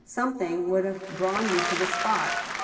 Something would have drawn me to the spot